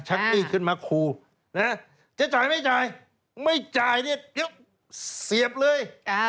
ชักอี้ขึ้นมาคูจะจ่ายไม่จ่ายไม่จ่ายเสียบเลย